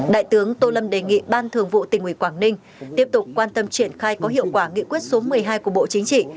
đại tướng tô lâm đề nghị ban thường vụ tỉnh ủy quảng ninh tiếp tục quan tâm triển khai có hiệu quả nghị quyết số một mươi hai của bộ chính trị